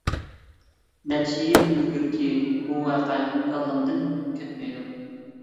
نەچچە يىل ئىلگىرىكى بۇ ۋەقە كاللامدىن كەتمەيدۇ.